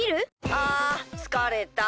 あつかれた。